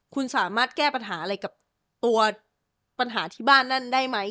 คุณสามารถแก้ปัญหาอะไรกับตัวปัญหาที่บ้านนั่นได้ไหม